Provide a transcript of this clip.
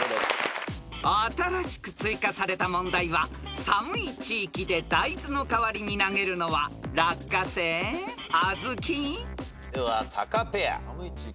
［新しく追加された問題は寒い地域で大豆の代わりに投げるのは］ではタカペア。